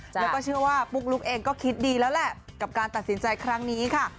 แล้วก็เชื่อว่าปุ๊กลุ๊กเองก็คิดดีแล้วแหละกับการตัดสินใจครั้งนี้ค่ะ